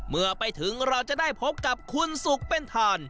เมื่อไปถึงเราจะได้พบกับคุณสุขเป็นทาน